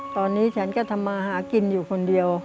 ตอนนี้ฉันก็ทำมาหากินอยู่คนเดียว